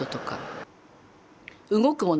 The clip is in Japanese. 動くもの